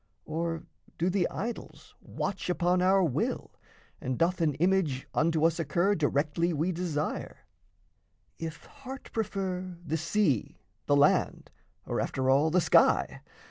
Or do the idols watch upon our will, And doth an image unto us occur, Directly we desire if heart prefer The sea, the land, or after all the sky?